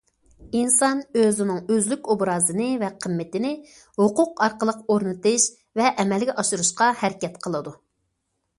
ئىنسان ئۆزىنىڭ ئۆزلۈك ئوبرازىنى ۋە قىممىتىنى ھوقۇق ئارقىلىق ئورنىتىش ۋە ئەمەلگە ئاشۇرۇشقا ھەرىكەت قىلىدۇ.